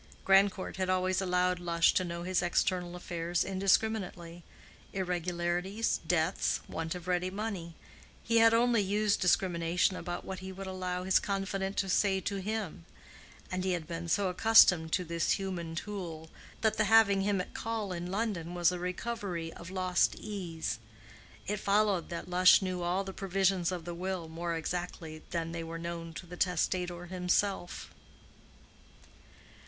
Grandcourt had always allowed Lush to know his external affairs indiscriminately—irregularities, debts, want of ready money; he had only used discrimination about what he would allow his confidant to say to him; and he had been so accustomed to this human tool, that the having him at call in London was a recovery of lost ease. It followed that Lush knew all the provisions of the will more exactly than they were known to the testator himself.